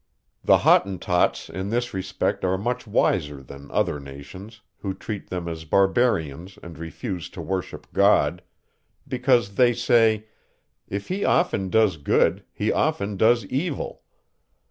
The Hottentots, in this respect are much wiser than other nations, who treat them as barbarians, and refuse to worship God; because, they say, if he often does good, he often does evil.